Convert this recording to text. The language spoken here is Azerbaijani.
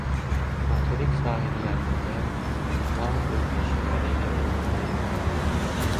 Materik sahillərindən manqrov meşələri ilə örtülüdür.